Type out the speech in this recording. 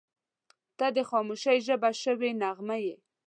• ته د خاموشۍ ژبه شوې نغمه یې.